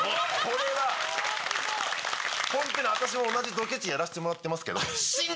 ホントに私も同じドケチやらせてもらってますけど。